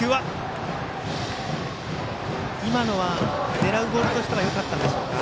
狙うボールとしてはよかったんでしょうか？